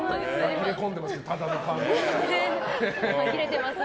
紛れ込んでますよ